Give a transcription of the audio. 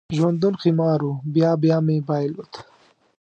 ژوندون قمار و، بیا بیا مې بایلود